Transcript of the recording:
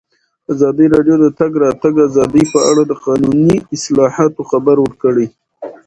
ازادي راډیو د د تګ راتګ ازادي په اړه د قانوني اصلاحاتو خبر ورکړی.